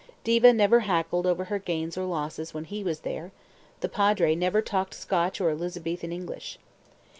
Diva never haggled over her gains or losses when he was there, the Padre never talked Scotch or Elizabethan English.